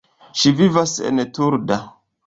Ŝi vivas en Turda.